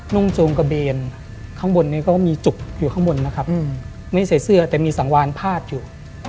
่งจูงกระเบนข้างบนนี้ก็มีจุกอยู่ข้างบนนะครับไม่ใส่เสื้อแต่มีสังวานพาดอยู่